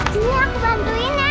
cuma aku bantuin nak